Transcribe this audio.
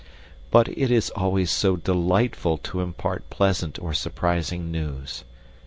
But it is always so delightful to impart pleasant or surprising news!